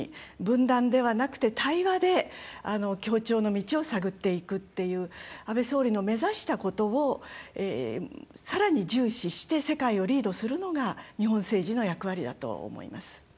分断ではなくて対話で協調の道を探っていくっていう安倍総理の目指したことをさらに重視して世界をリードするのが日本政治の役割だと思います。